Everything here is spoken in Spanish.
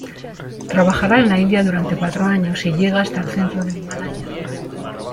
Trabajará en la India durante cuatro años y llega hasta el centro del Himalaya.